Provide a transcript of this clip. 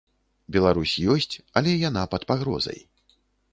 Беларусь ёсць, але яна пад пагрозай.